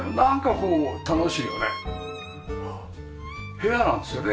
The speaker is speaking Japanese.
部屋なんですよね？